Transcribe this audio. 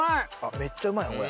めっちゃうまいわこれ。